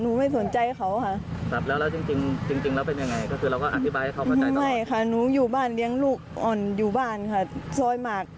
อืม